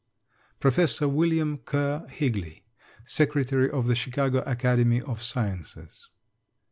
PROFESSOR WILLIAM KERR HIGLEY, Secretary of The Chicago Academy of Sciences.